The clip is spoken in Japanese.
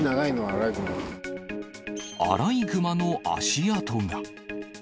アライグマの足跡が。